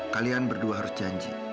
kalian berdua harus janji